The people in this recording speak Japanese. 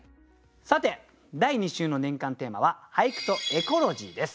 さて第２週の年間テーマは「俳句とエコロジー」です。